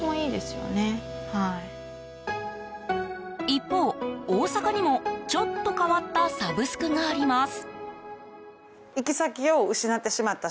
一方、大阪にもちょっと変わったサブスクがあります。